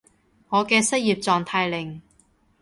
我嘅失業狀態令